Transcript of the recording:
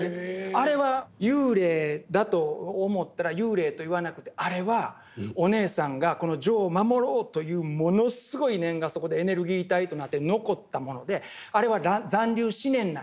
あれは幽霊だと思ったら幽霊と言わなくてあれはお姉さんがこの丈を守ろうというものすごい念がそこでエネルギー体となって残ったものであれは残留思念なんだ。